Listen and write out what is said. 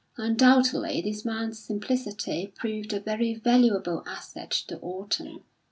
Undoubtedly this man's simplicity proved a very valuable asset to Orton.